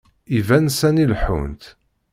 Iban sani leḥḥunt.